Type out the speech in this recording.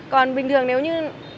còn bình thường nếu như